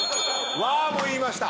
「わぁー！」も言いました。